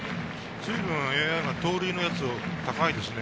ずいぶんＡＩが盗塁の確率が高いですね。